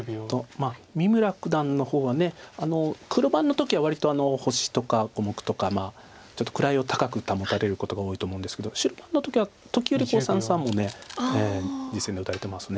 三村九段の方は黒番の時は割と星とか小目とかちょっと位を高く保たれることが多いと思うんですけど白番の時は時折三々も実戦で打たれてます。